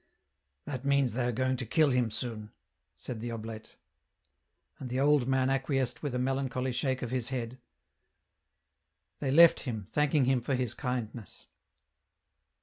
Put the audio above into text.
" That means they are going to kill him soon," said the oblate. And the old man acquiesced with a melancholy shake of his head. They left him, thanking him for his kindness.